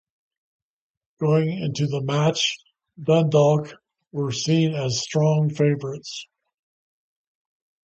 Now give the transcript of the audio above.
Going into the match Dundalk were seen as strong favourites.